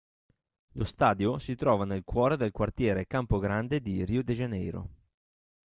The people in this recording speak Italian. Lo stadio si trova nel cuore del quartiere Campo Grande di Rio de Janeiro.